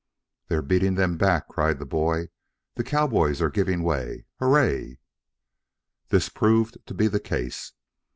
"They're beating them back!" cried the boy. "The cowboys are giving way. Hooray!" This proved to be the case.